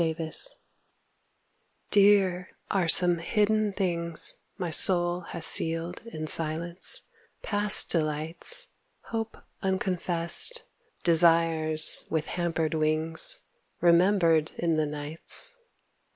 FREE WILL Dear are some hidden things My soul has sealed in silence; past delights, Hope unconfessed; desires with hampered wings, Remembered in the nights.